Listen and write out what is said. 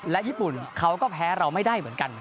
และญี่ปุ่นเขาก็แพ้เราไม่ได้เหมือนกัน